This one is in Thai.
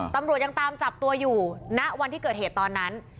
ตำรวจยังตามจับตัวอยู่ณวันที่เกิดเหตุตอนนั้น